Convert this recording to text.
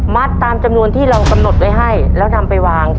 ตามจำนวนที่เรากำหนดไว้ให้แล้วนำไปวาง